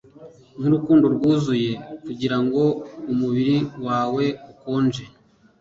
Nkurukundo rwuzuye kugirango umubiri wawe ukonje